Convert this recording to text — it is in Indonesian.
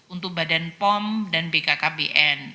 untuk badan pom dan bkkbn